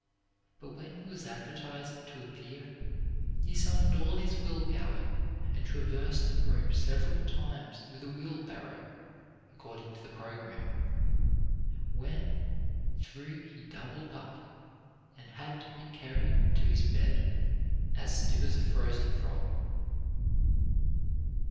But when he was advertised to appear, he summoned all his will power, and traversed the rope several times with a wheelbarrow, according to the program. When through he doubled up and had to be carried to his bed, "as stiff as a frozen frog."